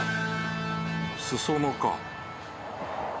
裾野か。